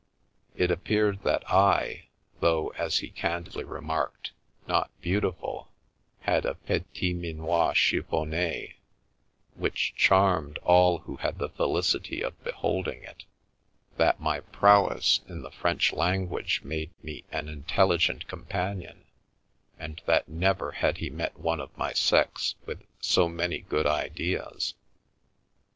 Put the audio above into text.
It appeared that I, though, as he candidly remarked, not beautiful, had a petit tninois chiffone, which charmed all who had the felicity of beholding it, that my prowess in the French language made me an intelligent companion, and that never had he met one of my sex with so many good ideas.